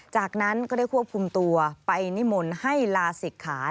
จากนั้นได้ควบคุมตัวต่อไปนิมนต์ให้ลาสิทธิ์ขา